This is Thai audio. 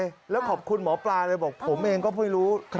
ยอมรับเลยแล้วขอบคุณหมอปลาเลยบอกผมเองก็พูดรู้